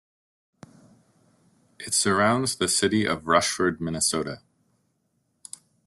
It surrounds the city of Rushford, Minnesota.